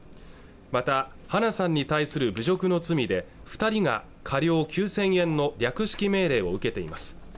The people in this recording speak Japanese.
また花さんに対する侮辱の罪で二人が科料９０００円の略式命令を受けています